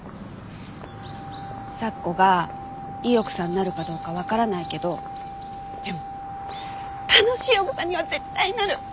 咲子がいい奥さんになるかどうか分からないけどでも楽しい奥さんには絶対なる！